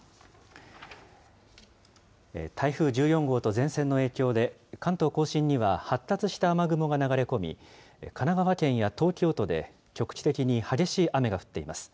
台風１４号と前線の影響で、関東甲信には発達した雨雲が流れ込み、神奈川県や東京都で、局地的に激しい雨が降っています。